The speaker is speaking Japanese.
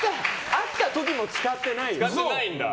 会った時も使ってない。